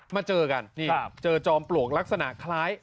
มาเจอกันนี่เจอจอมปลวกลักษณะคล้าย